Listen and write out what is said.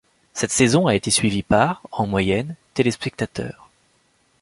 Cette saison a été suivie par, en moyenne, téléspectateurs.